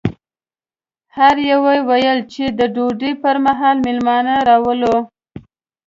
هر یوه ویل چې د ډوډۍ پر مهال مېلمانه راولو.